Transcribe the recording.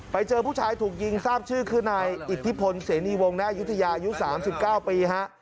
ไปเจอผู้ชายถูกยิงทราบชื่อคือนายอิทธิพลเสนียวงณยุธยายุทธิ์๓๙ปี